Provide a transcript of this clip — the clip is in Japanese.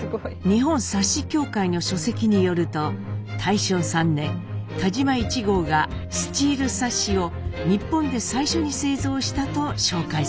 日本サッシ協会の書籍によると大正３年田嶋壹号がスチールサッシを日本で最初に製造したと紹介されています。